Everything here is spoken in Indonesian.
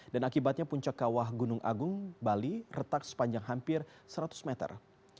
dan akibatnya puncak kawah gunung agung bali retak sepanjang hampir seratus meter